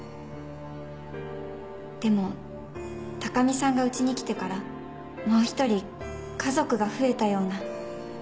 でも高見さんがうちに来てからもう１人家族が増えたような。